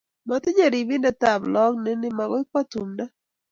Matinye ribindet ab lakok neni makoi kwo tumdo